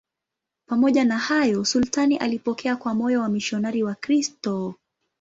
Pamoja na hayo, sultani alipokea kwa moyo wamisionari Wakristo.